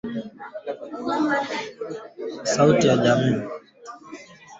Ku lomba saa yote bia kuria ni miza mubaya